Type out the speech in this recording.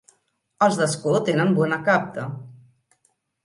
Els d'Ascó tenen bona capta.